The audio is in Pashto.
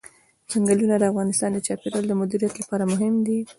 ځنګلونه د افغانستان د چاپیریال د مدیریت لپاره مهم دي.